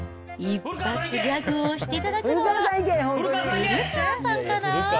一発ギャグをしていただくのは、古川さんかな？